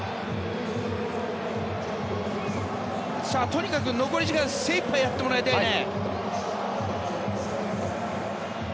とにかく残り時間精いっぱいやってもらいたいね。